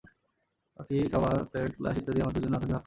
বাকি খাবার, plate, glass ইত্যাদি আমার দুজন আধাআধি ভাগ করে নিয়ে আসব।